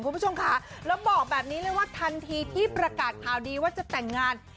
คุณผู้ชมค่ะแล้วบอกแบบนี้เลยว่าทันทีที่ประกาศข่าวดีว่าจะแต่งงาน